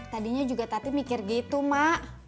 tadinya juga tati mikir gitu mak